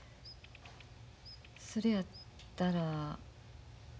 それやったら。